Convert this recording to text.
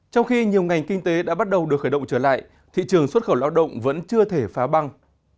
trong khi nhiều ngành kinh tế đã bắt đầu được khởi động trở lại thị trường xuất khẩu lao động vẫn chưa thể phá băng